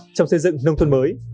trong xây dựng nông thôn mới